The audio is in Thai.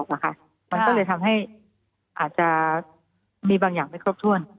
มันก็เลยทำให้อาจจะมีบางอย่างไม่ครบถ้วน